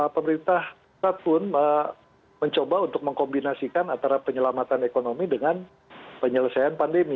pemerintah pusat pun mencoba untuk mengkombinasikan antara penyelamatan ekonomi dengan penyelesaian pandemi